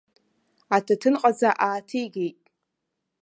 Аҭаҭынҟаҵа ааҭигеит.